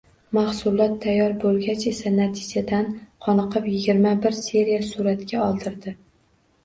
Mahsulot tayyor bo‘lgach esa natijadan qoniqib yigirma bir seriya suratga oldirdi.